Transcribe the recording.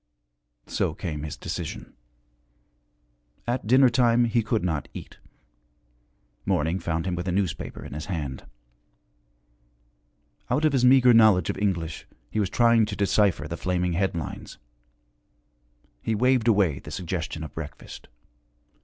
So came his decision. At dinner time he could not eat. Morning found him with a newspaper in his hand. Out of his meagre knowledge of English he was trying to decipher the flaming headlines. He waved away the suggestion of breakfast.